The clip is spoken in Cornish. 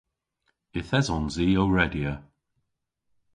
Yth esons i ow redya.